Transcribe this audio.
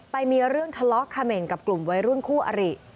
ไปมีเรื่องทะเลาะเขม่นกับกลุ่มวัยรุ่นคู่อริ